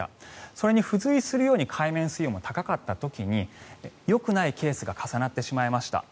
それに付随するように海面水温も高かった時によくないケースが重なってしまいました。